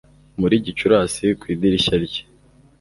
Muri Gicurasi ku idirishya rye